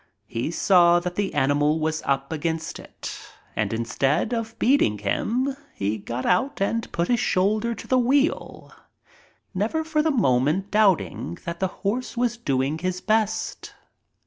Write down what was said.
He saw that the animal was up against it, and instead of beating him he got out and put his shoulder to the wheel, never for the moment doubt ing that the horse was doing his best.